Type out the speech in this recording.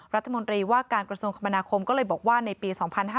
รัฐมนตรีว่าการกระทรวงคมนาคมก็เลยบอกว่าในปี๒๕๕๙